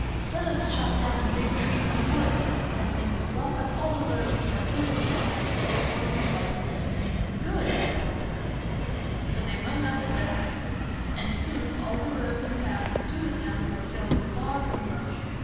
"Let us chop down the big trees in the woods, so that they will block up all the roads that lead into the town," said one of the wise men. "Good!" said all the rest. So they went out with their axes, and soon all the roads and paths to the town were filled with logs and brush.